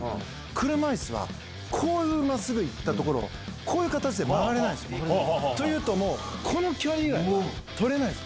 車いすは、こういうまっすぐ行ったところを、こういう形で回れないんですよ。というと、この距離以外取れないです。